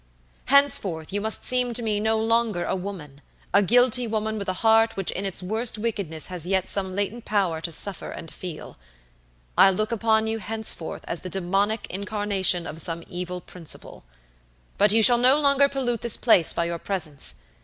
Henceforth you must seem to me no longer a woman, a guilty woman with a heart which in its worst wickedness has yet some latent power to suffer and feel; I look upon you henceforth as the demoniac incarnation of some evil principle. But you shall no longer pollute this place by your presence.